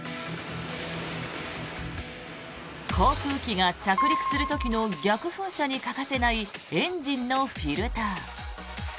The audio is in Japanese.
航空機が着陸する時の逆噴射に欠かせないエンジンのフィルター。